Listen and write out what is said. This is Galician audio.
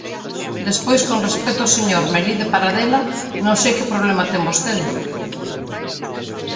Despois con respecto ao señor Melide Paradela, ¿non sei que problema ten vostede?